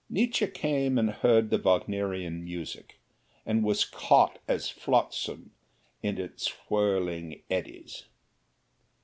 Nietzsche came and heard the Wagnerian music and was caught as flotsam in its whirling eddies.